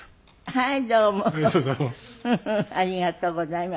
はい。